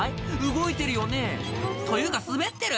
動いてるよねというか滑ってる？